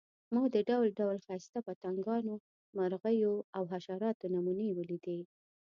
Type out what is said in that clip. ما د ډول ډول ښایسته پتنګانو، مرغیو او حشراتو نمونې ولیدې.